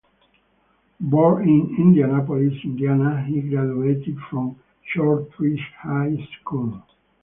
Born in Indianapolis, Indiana he graduated from Shortridge High School.